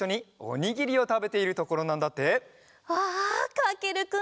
かけるくん。